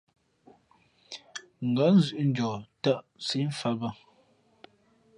Ngα̌ zʉ̄ʼ njαα tᾱʼ nsǐʼ mfāt bᾱ.